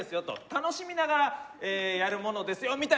楽しみながらやるものですよみたいな。